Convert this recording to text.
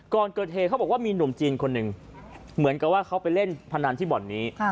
ก่อนเกิดเหตุเขาบอกว่ามีหนุ่มจีนคนหนึ่งเหมือนกับว่าเขาไปเล่นพนันที่บ่อนนี้